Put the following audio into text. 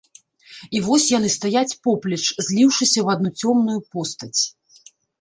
І вось яны стаяць поплеч, зліўшыся ў адну цёмную постаць.